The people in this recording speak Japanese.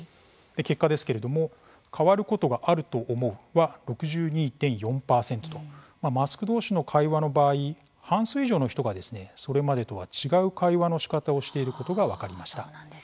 結果ですけれども変わることがあると思うは６２．４％とマスク同士の会話の場合半数以上の人がそれまでとは違う会話のしかたをしていることが分かりました。